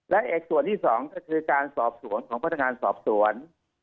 และอีกส่วนที่สองก็คือการสอบสวนของพนักงานสอบสวน